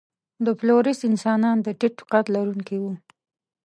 د فلورېس انسانان د ټیټ قد لرونکي وو.